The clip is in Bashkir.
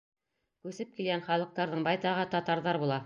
Күсеп килгән халыҡтарҙың байтағы татарҙар була.